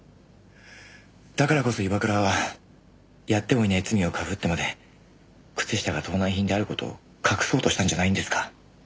だからこそ岩倉はやってもいない罪を被ってまで靴下が盗難品である事を隠そうとしたんじゃないんですか？